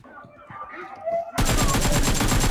کليوال ځوانان په طنز خبري کوي او خندا کوي